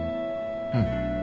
うん。